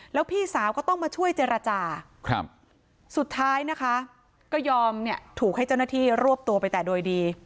แล้วพี่สาวก็ต้องมาช่วยเจรจาสุดท้ายนะคะก็ยอมเนี่ยถูกให้เจ้าหน้าที่รวบตัวไปแต่โดยดี